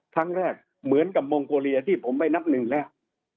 ครั้งแรกเหมือนกับมองโกเลียที่ผมไม่นับหนึ่งแล้ว